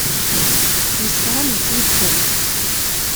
Msefhament yid-kent.